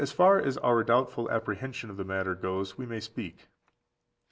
Yet as far as our doubtful apprehension of the matter goes, we may speak.